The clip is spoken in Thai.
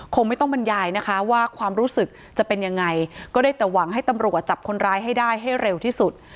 คงไม่ต้องบรรยายนะคะว่าความรู้สึกจะเป็นยังไงก็ได้แต่หวังให้ตำรวจจับคนร้ายให้ได้ให้เร็วที่สุด